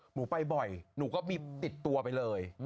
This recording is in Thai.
หนูไปบ่อยหนูก็มีติดตัวไปเลย